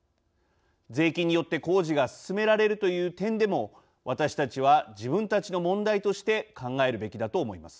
税金によって工事が進められるという点でも私たちは自分たちの問題として考えるべきだと思います。